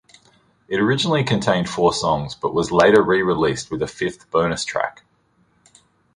It originally contained four songs, but was later re-released with a fifth bonus track.